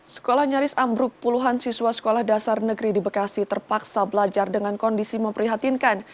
sekolah nyaris ambruk puluhan siswa sekolah dasar negeri di bekasi terpaksa belajar dengan kondisi memprihatinkan